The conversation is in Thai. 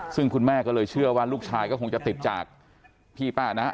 ซึ่งคุณแม่ก็เลยเชื่อว่าลูกชายก็คงจะติดจากพี่ป้านะ